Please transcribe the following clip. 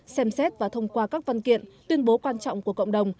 xem xét và thông qua các văn kiện tuyên bố quan trọng của cộng đồng